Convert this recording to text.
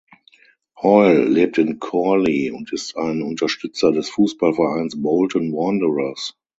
Hoyle lebt in Chorley und ist ein Unterstützer des Fußballvereins Bolton Wanderers.